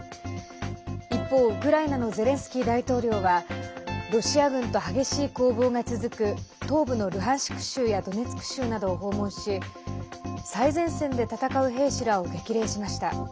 一方、ウクライナのゼレンスキー大統領はロシア軍と激しい攻防が続く東部のルハンシク州やドネツク州などを訪問し最前線で戦う兵士らを激励しました。